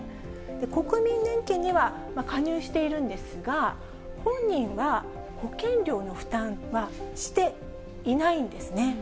国民年金には加入しているんですが、本人は保険料の負担はしていないんですね。